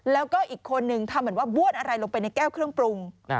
แล้วก็อีกคนนึงทำเหมือนว่าบ้วนอะไรลงไปในแก้วเครื่องปรุง